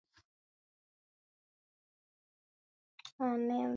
leoMwaka elfu mbili na kumi hadi mwaka elfu mbili na kumi na moja